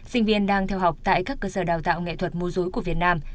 sinh viên đang theo học tại các cơ sở đào tạo nghệ thuật múa rối của việt nam